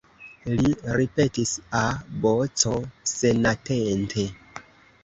Li ripetis, A, B, C, senatente.